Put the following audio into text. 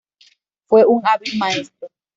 Fue un hábil maestro.